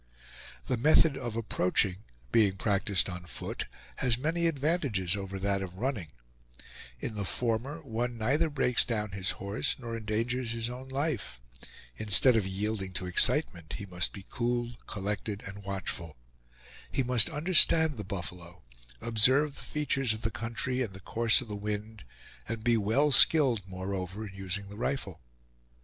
The method of "approaching," being practiced on foot, has many advantages over that of "running"; in the former, one neither breaks down his horse nor endangers his own life; instead of yielding to excitement he must be cool, collected, and watchful; he must understand the buffalo, observe the features of the country and the course of the wind, and be well skilled, moreover, in using the rifle.